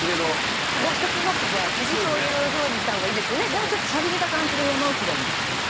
でもちょっと寂れた感じの山奥がいいんですけどね。